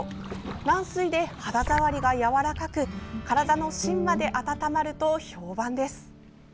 軟水で肌触りがやわらかく体の芯まで温まると評判です。